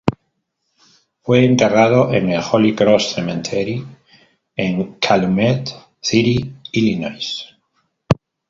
Fue enterrado en el Holy Cross Cemetery en Calumet City, Illinois.